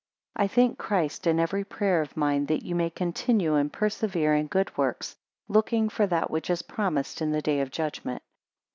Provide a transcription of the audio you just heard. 3 I thank Christ in every prayer of mine, that ye may continue and persevere in good works, looking for that which is promised in the day of judgment.